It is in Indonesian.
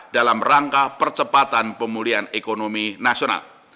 dalam rangka percepatan pemulihan ekonomi nasional